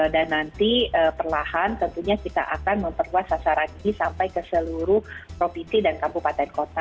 dan nanti perlahan tentunya kita akan memperluas sasaran ini sampai ke seluruh provinsi dan kabupaten kota